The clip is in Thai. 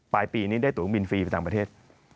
ปลายปีนี้ได้ตัวบินฟรีไปต่างประเทศ